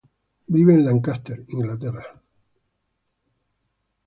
Vive en Lancaster, Inglaterra.